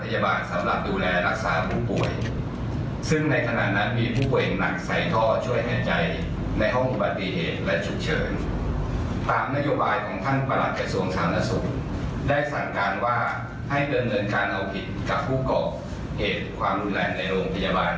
เหมือนการเอาผิดกับผู้เกาะเหตุความรุนแรงในโรงพยาบาล